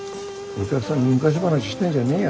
お客さんに昔話してんじゃねえよ。